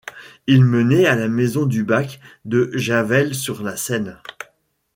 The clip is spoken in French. Il menait à la maison du bac de Javelle sur la Seine.